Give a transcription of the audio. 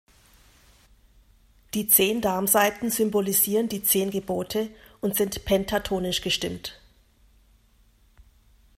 Die zehn Darmsaiten symbolisieren die zehn Gebote und sind pentatonisch gestimmt.